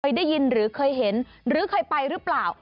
ได้ยินหรือเคยเห็นหรือเคยไปหรือเปล่า